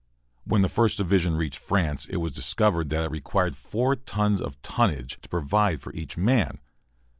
When the First Division reached France it was discovered that it required four tons of tonnage to provide for each man.